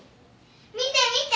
見て見て！